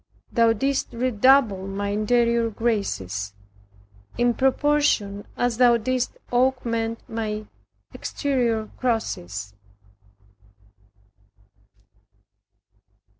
Thou didst redouble my interior graces, in proportion as Thou didst augment my exterior crosses.